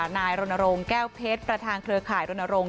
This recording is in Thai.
นายรณรงค์แก้วเพชรประธานเครือข่ายรณรงค